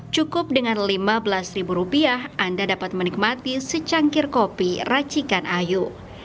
cukup dengan lima belas rupiah anda dapat menikmati secangkir kopi racikan ayu